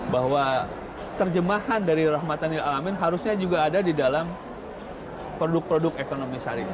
bahwa terjemahan dari rahmatan amin harusnya juga ada di dalam produk produk ekonomi syariah